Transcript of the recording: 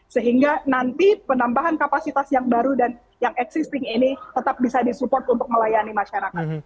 sehingga nanti penambahan kapasitas yang baru dan yang existing ini tetap bisa disupport untuk melayani masyarakat